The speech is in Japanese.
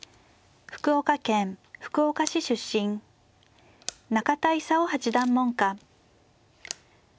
福岡県福岡市出身中田功八段門下。